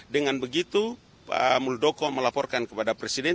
dengan begitu pak muldoko melaporkan kepada presiden